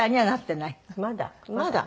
まだ。